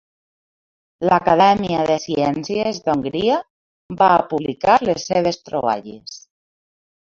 L'Acadèmia de Ciències d'Hongria va publicar les seves troballes.